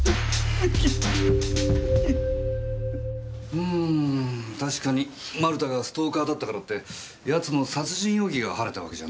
うん確かに丸田がストーカーだったからって奴の殺人容疑が晴れたわけじゃないっすけどね。